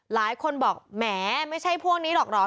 หลายคนบอกแหมไม่ใช่พวกนี้หรอกเหรอ